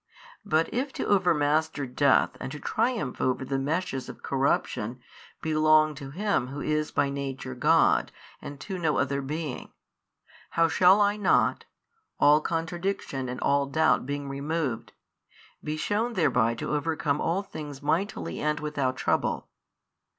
But if to overmaster death and to triumph over the meshes of corruption belong to Him Who is by Nature God and to no other being, how shall I not (all contradiction and all doubt being removed) be shewn thereby to overcome all things mightily and without trouble?